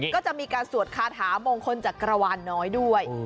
ก็จะมีการสวดคาถามงคลจักรวาลน้อยด้วย